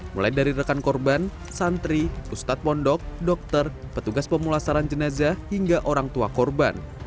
mulai dari rekan korban santri ustadz pondok dokter petugas pemulasaran jenazah hingga orang tua korban